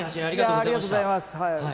ありがとうございます。